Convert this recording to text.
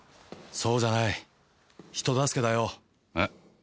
そうじゃない人助けだよ。え？